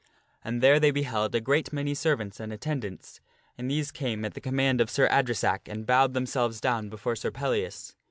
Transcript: And there they beheld a great many servants and attendants, and these came at the command of Sir Adresack and bowed themselves down before Sir Pellias.